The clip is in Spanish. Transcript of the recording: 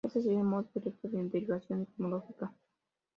Este sería el modo directo de derivación etimológica.